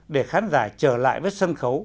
để khán giả trở lại với sân khấu